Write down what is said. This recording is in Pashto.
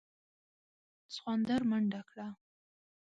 سخوندر منډه کړه.